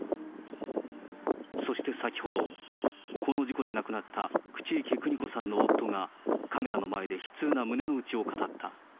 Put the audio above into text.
そして先ほど、この事故で亡くなった口池邦子さんの夫が、カメラの前で悲痛な胸の内を語った。